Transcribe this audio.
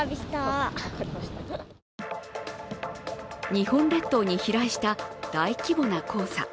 日本列島に飛来した大規模な黄砂。